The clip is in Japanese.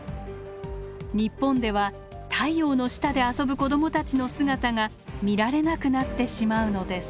日本では太陽の下で遊ぶ子どもたちの姿が見られなくなってしまうのです。